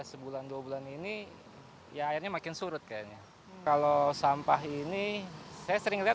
cuman karena kami sudah biasa sih gak terlalu perhatian banget sih